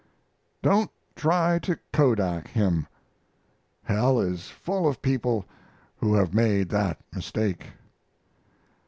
Don't try to kodak him. Hell is full of people who have made that mistake.